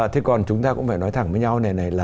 thế còn chúng ta cũng phải nói thẳng với nhau